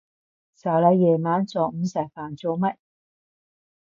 就嚟夜晚，仲唔食飯做乜？